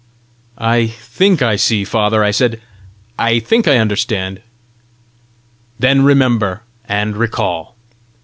"I think I see, father," I said; "I think I understand." "Then remember, and recall.